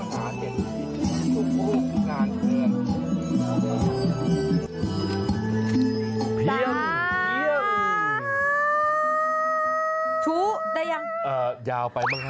ถูกได้ยังถูกยาวไปบ้างฮะ